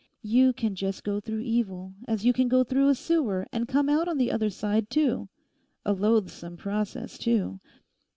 You can just go through evil, as you can go through a sewer, and come out on the other side too. A loathsome process too.